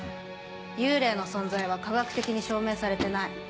幽霊の存在は科学的に証明されてない。